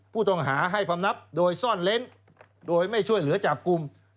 ผู้ต้องหาให้พำนับโดยซ่อนเล้นโดยไม่ช่วยเหลือจับกลุ่ม